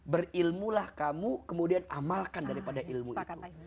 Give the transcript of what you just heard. berilmulah kamu kemudian amalkan daripada ilmu itu